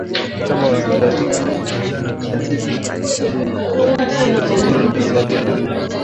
mkataba wa atlantiki ya kaskazini ni kundi la kisiasa na kidini